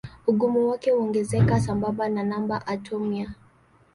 Ugumu wake huongezeka sambamba na namba atomia.